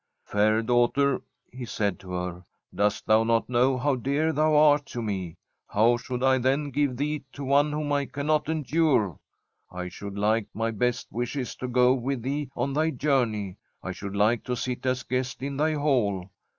• Fair daughter," he said to her, " dost thou not know how dear thou art to me ? How should L then, give thee to one whom I cannot endure ? I should like my best wishes to go with thee on thy journey. I should like to sit as guest in thy hall.